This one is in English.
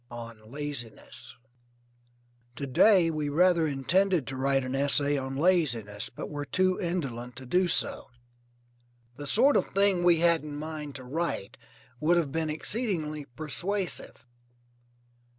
ON LAZINESS To day we rather intended to write an essay on Laziness, but were too indolent to do so. The sort of thing we had in mind to write would have been exceedingly persuasive.